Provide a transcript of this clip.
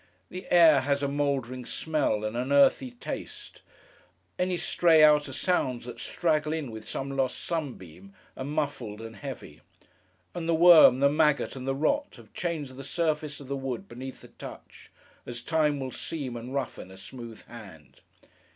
The air has a mouldering smell, and an earthy taste; any stray outer sounds that straggle in with some lost sunbeam, are muffled and heavy; and the worm, the maggot, and the rot have changed the surface of the wood beneath the touch, as time will seam and roughen a smooth hand.